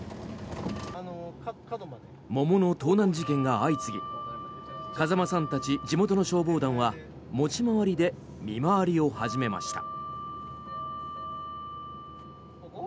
桃の盗難事件が相次ぎ風間さんたち地元の消防団は持ち回りで見回りを始めました。